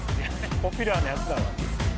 ポピュラーなやつだろ。